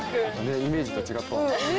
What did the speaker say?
イメージと違った。